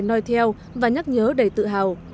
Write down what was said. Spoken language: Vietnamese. nói theo và nhắc nhớ đầy tự hào